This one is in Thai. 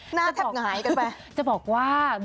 หน้าแทบไหนกันไป